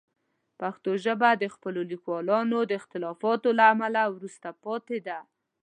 پښتو ژبه د خپلو لیکوالانو د اختلافاتو له امله وروسته پاتې ده.